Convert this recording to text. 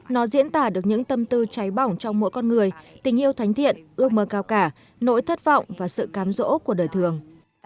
nó diễn tả được những tâm tư cháy bỏng trong mỗi con người tình yêu thánh thiện ước mơ cao cả nỗi thất vọng và sự cám dỗ của đời thường